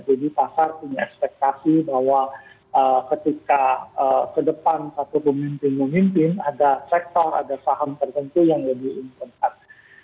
pasar punya ekspektasi bahwa ketika ke depan satu pemimpin pemimpin ada sektor ada saham tertentu yang lebih intens